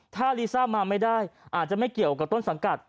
ถ้าลีซ่ามาไม่ได้อาจจะไม่เกี่ยวกับต้นสังกัด